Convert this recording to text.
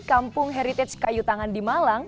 kampung heritage kayu tangan di malang